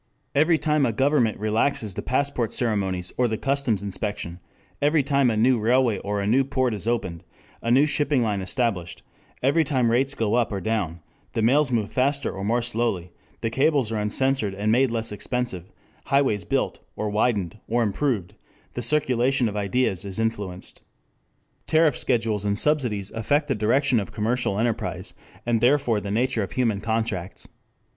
Every time a government relaxes the passport ceremonies or the customs inspection, every time a new railway or a new port is opened, a new shipping line established, every time rates go up or down, the mails move faster or more slowly, the cables are uncensored and made less expensive, highways built, or widened, or improved, the circulation of ideas is influenced. Tariff schedules and subsidies affect the direction of commercial enterprise, and therefore the nature of human contracts.